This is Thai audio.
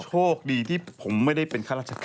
โชคดีที่ผมไม่ได้เป็นข้าราชการ